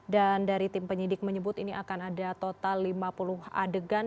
dan dari tim penyidik menyebut ini akan ada total lima puluh adegan